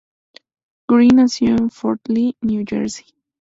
Green nació en Fort Lee, New Jersey.